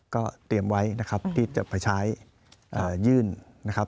ก็เตรียมไว้นะครับที่จะไปใช้ยื่นนะครับ